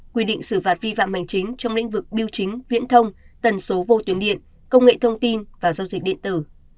quy định xử phạt vi phạm hành chính trong lĩnh vực biểu chính viễn thông tần số vô tuyến điện công nghệ thông tin và giao dịch điện tử